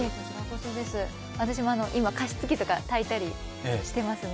私も今、加湿器とかたいたりしてますね